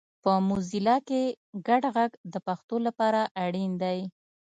په موزیلا کې ګډ غږ د پښتو لپاره اړین دی